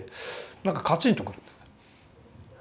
なんかカチンとくるんです。